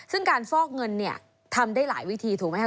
ซึ่งการฟอกเงินเนี่ยทำได้หลายวิธีถูกไหมครับ